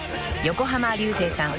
横浜流星さん